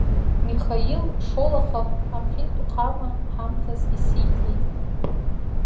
Михаил Шолохов афинтә ҟама ҳамҭас исиҭеит.